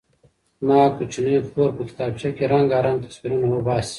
زما کوچنۍ خور په کتابچه کې رنګارنګ تصویرونه وباسي.